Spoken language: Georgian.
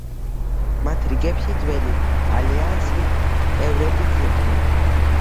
მათ რიგებში ძველი ალიანსის წევრებიც იყვნენ.